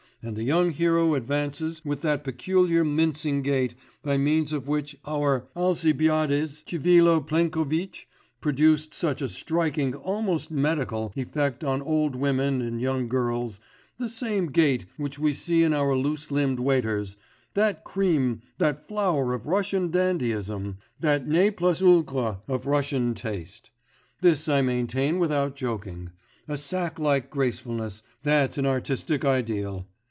And the young hero advances with that peculiar mincing gait by means of which our Alcibiades, Tchivilo Plenkovitch, produced such a striking, almost medical, effect on old women and young girls, the same gait which we see in our loose limbed waiters, that cream, that flower of Russian dandyism, that ne plus ultra of Russian taste. This I maintain without joking; a sack like gracefulness, that's an artistic ideal.